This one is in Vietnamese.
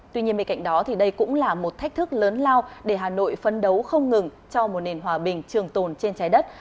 tuy nhiên bên cạnh đó đây cũng là một thách thức lớn lao để hà nội phấn đấu không ngừng cho một nền hòa bình trường tồn trên trái đất